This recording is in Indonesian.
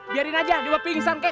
biarin aja dua pingsan kek